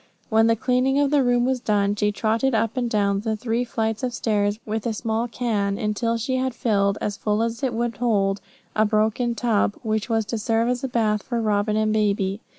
When the cleaning of the room was done, she trotted up and down the three flights of stairs with a small can, until she had filled, as full as it would hold, a broken tub, which was to serve as a bath for Robin and baby.